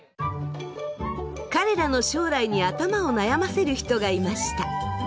彼らの将来に頭を悩ませる人がいました。